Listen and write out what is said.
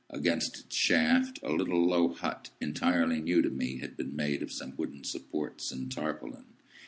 Against its shaft, a little low hut, entirely new to me, had been made of some wooden supports and tarpaulin.